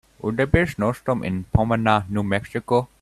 Will there be a snowstorm in Pomona, New Mexico?